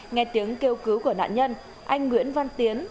nghe tiếng kêu cứu của nạn nhân anh nguyễn văn tiến